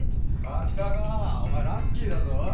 牧高お前ラッキーだぞ。